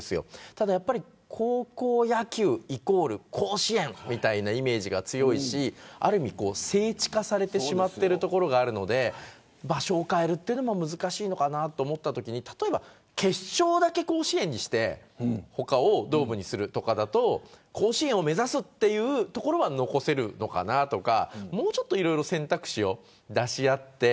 ただ高校野球イコール甲子園みたいなイメージが強いしある意味聖地化されてしまっているところがあるので場所を変えるのは難しいかなと思ったときに決勝だけ甲子園にして他をドームにするとかなら甲子園を目指すところは残せるのかなとかもう少しいろいろ選択肢を出し合って。